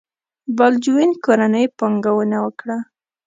بالډوین کورنۍ پانګونه وکړه.